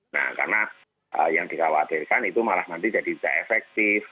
nah karena yang dikhawatirkan itu malah nanti jadi tidak efektif